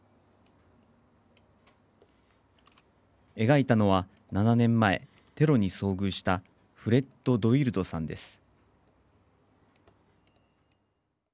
描いたのは７年前テロに遭遇したフレッド・ドウィルドさんです。